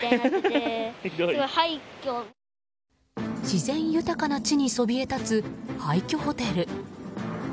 自然豊かな地にそびえ立つ廃虚ホテル。